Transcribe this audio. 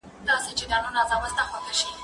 زه مخکي موسيقي اورېدلې وه،